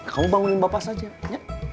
kamu bangunin bapak saja ya